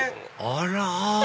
あら！